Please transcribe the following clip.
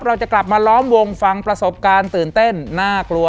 เราจะกลับมาล้อมวงฟังประสบการณ์ตื่นเต้นน่ากลัว